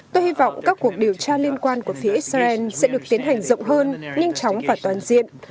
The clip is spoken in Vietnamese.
tôi hy vọng các cuộc điều tra liên quan của phía israel sẽ được tiến hành rộng hơn nhanh chóng và toàn diện